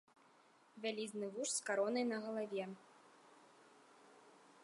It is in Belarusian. Вялізны вуж з каронай на галаве.